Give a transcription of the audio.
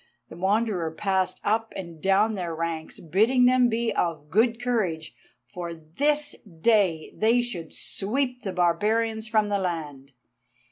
The Wanderer passed up and down their ranks, bidding them be of good courage, for this day they should sweep the barbarians from the land.